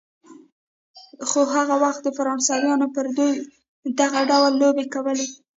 خو هغه وخت فرانسویانو پر دوی دغه ډول لوبې کولې.